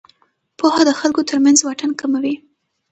پوهه د خلکو ترمنځ واټن کموي.